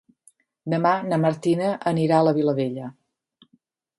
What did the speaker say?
Demà na Martina anirà a la Vilavella.